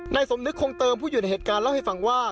สมนึกคงเติมผู้อยู่ในเหตุการณ์เล่าให้ฟังว่า